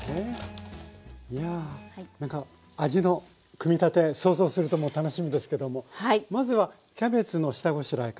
いやなんか味の組み立て想像するともう楽しみですけどもまずはキャベツの下ごしらえから。